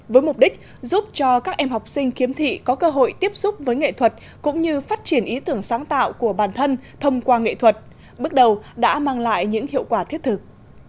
với mục đích giúp cho các em học sinh khiếm thị có cơ hội tiếp xúc với nghệ thuật cũng như phát triển ý tưởng sáng tạo của bản thân thông qua nghệ thuật bước đầu đã mang lại những hiệu quả thiết thực